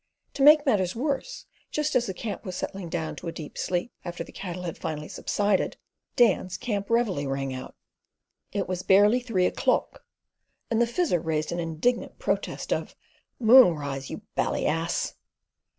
To make matters worse, just as the camp was settling down to a deep sleep after the cattle had finally subsided, Dan's camp reveille rang out. It was barely three o'clock, and the Fizzer raised an indignant protest of: "Moonrise, you bally ass."